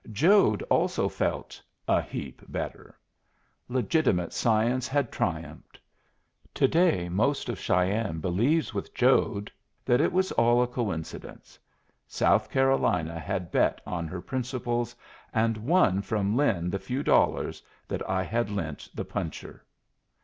Jode also felt "a heap better." Legitimate science had triumphed. To day, most of Cheyenne believes with Jode that it was all a coincidence. South Carolina had bet on her principles, and won from Lin the few dollars that I had lent the puncher.